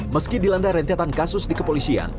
meski dilanda rentetan kasus di kepolisian